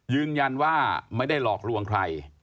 ยืนยันว่าไม่ได้หลอกลวงใคร